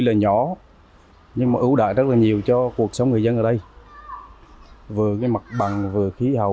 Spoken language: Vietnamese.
là nhỏ nhưng mà ưu đại rất là nhiều cho cuộc sống người dân ở đây vừa cái mặt bằng vừa khí hậu